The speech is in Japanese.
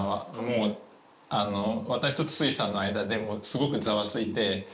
もう私と筒井さんの間ですごくざわついて。